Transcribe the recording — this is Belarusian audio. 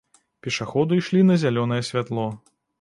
Пешаходы ішлі на зялёнае святло.